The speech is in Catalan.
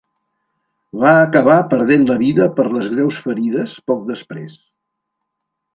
Va acabar perdent la vida per les greus ferides poc després.